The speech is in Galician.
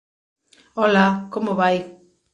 Ola, como vai?